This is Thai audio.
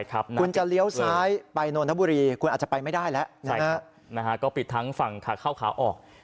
คุณจะเลี้ยวซ้ายไปนอนนบุรีคุณอาจปิดทางทางข้าวออก